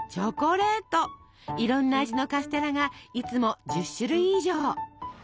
いろんな味のカステラがいつも１０種類以上。